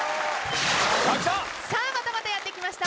またまたやってきました。